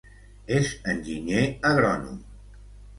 És enginyer agrònom.